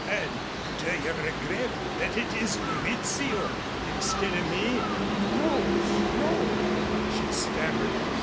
"And do you regret that it is Rizzio instead of me?" "No, no," she stammered.